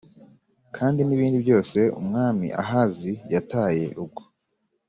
Kandi n ibintu byose Umwami Ahazi yataye ubwo